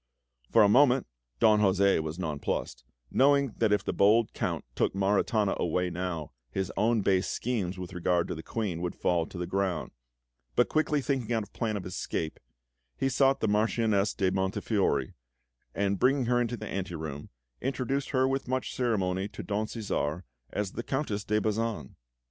For a moment Don José was nonplussed, knowing that if the bold Count took Maritana away now, his own base schemes with regard to the Queen would fall to the ground; but quickly thinking out a plan of escape, he sought the Marchioness de Montefiori, and bringing her into the ante room, introduced her with much ceremony to Don Cæsar as the Countess de Bazan.